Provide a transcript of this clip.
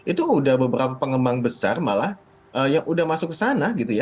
itu udah beberapa pengembang besar malah yang udah masuk ke sana gitu ya